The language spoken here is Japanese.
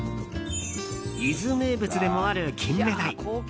伊豆名物でもあるキンメダイ。